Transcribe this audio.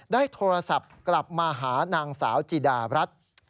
ได้โทรศัพท์กลับมาหานางสาวจิดารัฐ